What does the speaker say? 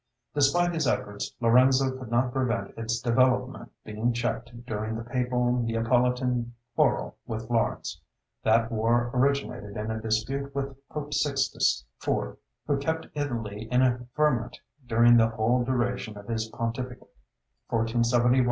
Despite his efforts, Lorenzo could not prevent its development being checked during the papal Neapolitan quarrel with Florence. That war originated in a dispute with Pope Sixtus IV, who kept Italy in a ferment during the whole duration of his pontificate, 1471 1484.